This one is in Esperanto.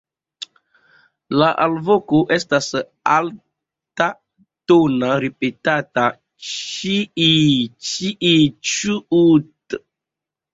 La alvoko estas altatona ripetata "ĉii-ĉii-ĉuut".